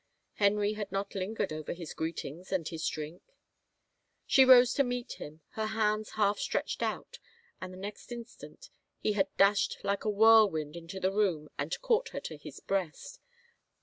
Henry had not lingered over his greetings and his drink. She rose to meet him, her hands half stretched out, and the next instant he had dashed like a whirlwind into the room and caught her to his breast.